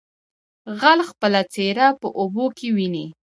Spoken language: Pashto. ـ غل خپله څېره په اوبو کې ويني.